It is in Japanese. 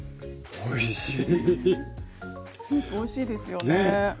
おいしい。